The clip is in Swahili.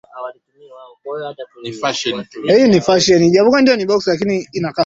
Unga ambapo mitaani hujulikana kama coke